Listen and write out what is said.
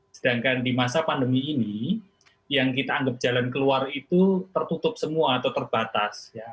sedangkan di masa pandemi ini yang kita anggap jalan keluar itu tertutup semua atau terbatas